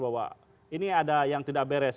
bahwa ini ada yang tidak beres